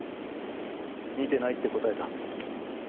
見てないって答えた。